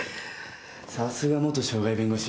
さすが元渉外弁護士。